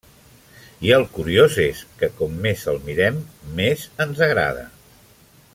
I el curiós és que com més el mirem més ens agrada.